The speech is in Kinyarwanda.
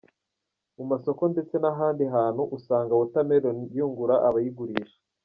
Mu masoko ndetse n’ahandi hantu usanga watermelon yungura abayigurisha.